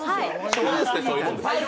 賞レースってそういうもんです。